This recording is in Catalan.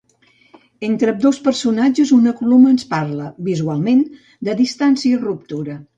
Entre ambdós personatges una columna ens parla, visualment, de distància i ruptura.